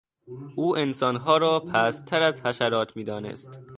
او انسانها را پستتر از حشرات میدانست.